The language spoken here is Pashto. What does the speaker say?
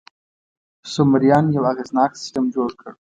سومریان یو اغېزناک سیستم جوړ کړ.